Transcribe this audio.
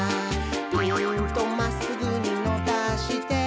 「ピーンとまっすぐにのばして」